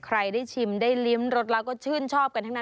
ใครได้ชิมได้ลิ้มรสแล้วก็ชื่นชอบกันทั้งนั้น